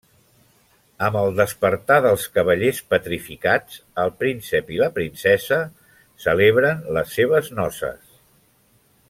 Amb el despertar dels cavallers petrificats, el príncep i la princesa celebren les seves noces.